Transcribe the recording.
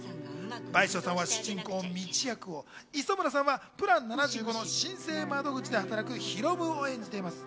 倍賞さんは主人公ミチ役を、磯村さんはプラン７５の申請窓口で働くヒロムを演じています。